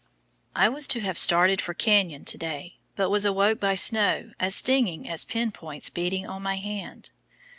I was to have started for Canyon to day, but was awoke by snow as stinging as pinpoints beating on my hand.